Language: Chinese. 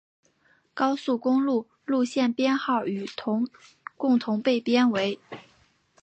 高速公路路线编号与共同被编为。